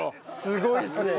すごいっすね。